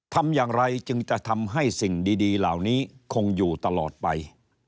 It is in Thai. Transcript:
ทำอย่างไรจึงจะทำให้สิ่งดีเหล่านี้คงอยู่ตลอดไป